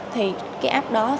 thì cái app đó